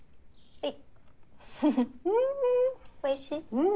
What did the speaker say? はい。